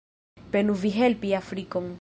Penu vi helpi Afrikon.